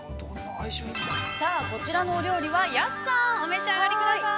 ◆さあ、こちらのお料理は、安さん、お召し上がり下さい。